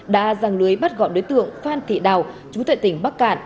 đã giang lưới bắt gọn đối tượng phan thị đào chủ tệ tỉnh bắc cạn